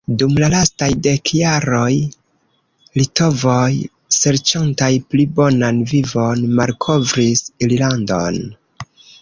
Dum la lastaj dek jaroj litovoj serĉantaj pli bonan vivon malkovris Irlandon.